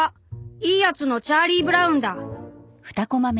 『いいやつ』のチャーリー・ブラウンだ！」。